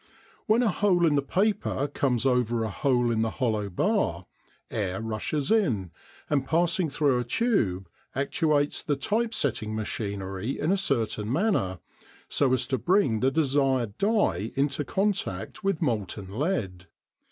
When a hole in the paper comes over a hole in the hollow bar air rushes in, and passing through a tube actuates the type setting machinery in a certain manner, so as to bring the desired die into contact with molten lead.